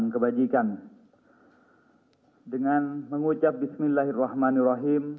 komunitas yang banyak berkata